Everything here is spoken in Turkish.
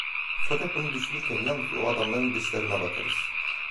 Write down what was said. Fakat bunu düşünürken yalnız o adamların dışlarına bakarız.